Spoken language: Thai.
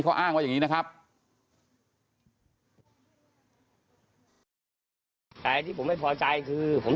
เขาอ้างว่าอย่างนี้นะครับ